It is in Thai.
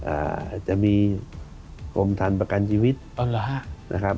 อาจจะมีกรมทันประกันชีวิตอ๋อเหรอฮะนะครับ